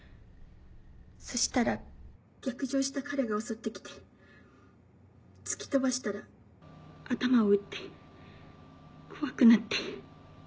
そしたら逆上した彼が襲ってきて突き飛ばしたら頭を打って怖くなって。